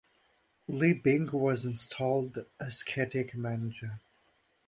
Li Bing was installed as caretaker manager.